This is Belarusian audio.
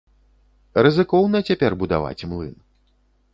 Рызыкоўна цяпер будаваць млын.